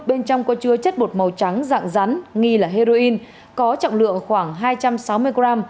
bên trong có chứa chất bột màu trắng dạng rắn nghi là heroin có trọng lượng khoảng hai trăm sáu mươi gram